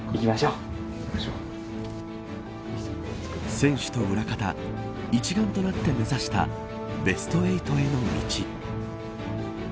選手と裏方一丸となって目指したベスト８への道。